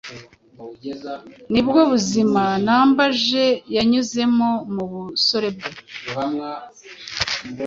nibwo buzima Nambaje yanyuzemo mu busore bwe